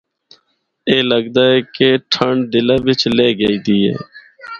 اے لگدا اے کہ ٹھنڈ دلّا بچ لِہہ گئی دی اے۔